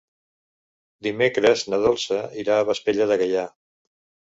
Dimecres na Dolça irà a Vespella de Gaià.